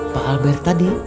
pak albert tadi